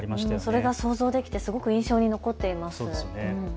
それが想像できてすごく印象に残っています。